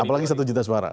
apalagi satu juta suara